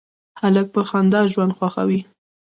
هلک په خندا ژوند خوښوي.